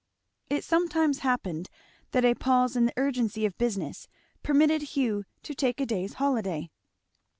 It sometimes happened that a pause in the urgency of business permitted Hugh to take a day's holiday.